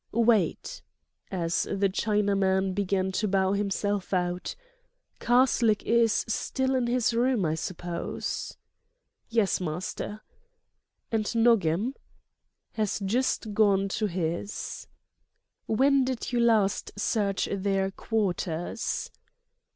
"Wait"—as the Chinaman began to bow himself out—"Karslake is still in his room, I suppose?" "Yes, master." "And Nogam?" "Has just gone to his." "When did you last search their quarters?"